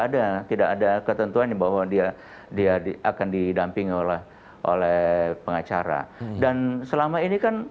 ada tidak ada ketentuan bahwa dia dia akan didampingi oleh oleh pengacara dan selama ini kan